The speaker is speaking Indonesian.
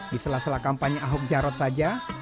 di sela sela kampanye ahok jarot saja